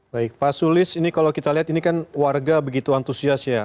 baik pak sulis ini kalau kita lihat ini kan warga begitu antusias ya